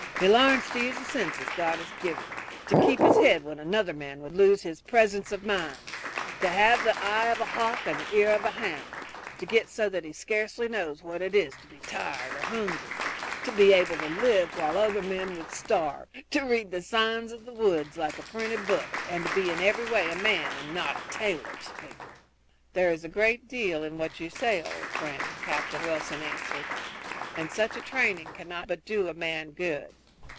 He larns to use the senses God has given him, to keep his head when another man would lose his presence of mind, to have the eye of a hawk and the ear of a hound, to get so that he scarcely knows what it is to be tired or hungry, to be able to live while other men would starve, to read the signs of the woods like a printed book, and to be in every way a man and not a tailor's figure." "There is a great deal in what you say, old friend," Captain Wilson answered, "and such a training cannot but do a man good.